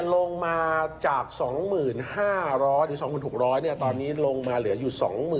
ลงมาจาก๒๕๐๐๒๖๐๐ตอนนี้ลงมาเหลืออยู่๒๐๐๐